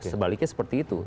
sebaliknya seperti itu